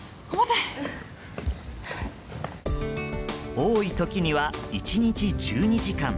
多い時には１日１２時間。